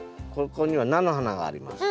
ここには菜の花があります。